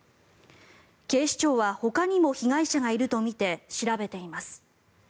警視庁はほかにも被害者がいるとみて調べています。